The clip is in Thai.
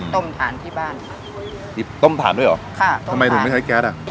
ต้มถ่านที่บ้านต้มถ่านด้วยเหรอใช่ค่ะต้มถ่านท่าไม่ใช้แก๊สจ้ะ